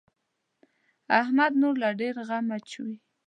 احمد نور له ډېره غمه چويي.